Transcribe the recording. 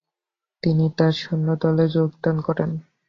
তিনি তার সৈন্যদলে যোগদান করেন।